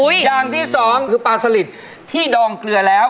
อย่างที่สองคือปลาสลิดที่ดองเกลือแล้ว